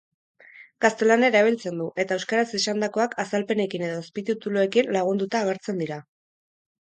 Gaztelania erabiltzen du, eta euskaraz esandakoak azalpenekin edo azpitituluekin lagunduta agertzen dira.